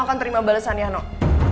aku kayak gini gara gara ini ya noh